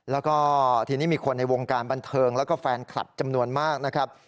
แล้วก็ทีนี้มีคนในวงการบันเทิงแล้วก็แฟนคลับจำนวนมากนะครับ